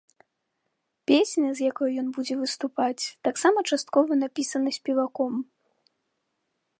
Песня, з якой ён будзе выступаць, таксама часткова напісана спеваком.